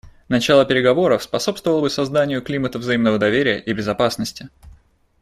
Начало переговоров способствовало бы созданию климата взаимного доверия и безопасности.